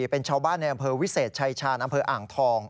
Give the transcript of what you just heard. เป็นชาวบ้านในอำเภอวิเศษชายชาญอำเภออ่างทอง